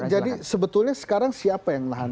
jadi sebetulnya sekarang siapa yang nahan